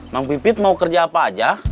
bang pipit mau kerja apa aja